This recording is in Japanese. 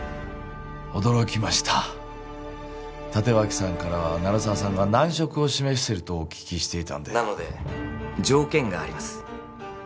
驚きました立脇さんからは鳴沢さんが難色を示しているとお聞きしていたのでなので条件があります